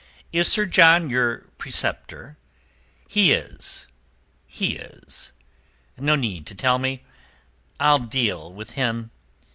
Is Sir John your preceptor? He is, he is. No need to tell me. I'll deal with him.